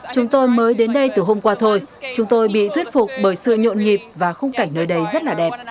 chúng tôi mới đến đây từ hôm qua thôi chúng tôi bị thuyết phục bởi sự nhộn nhịp và khung cảnh nơi đây rất là đẹp